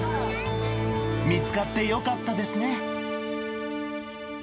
見つかってよかったですね。